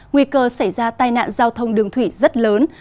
nguy cơ xảy ra tai nạn giao thông đường thủy rất lớn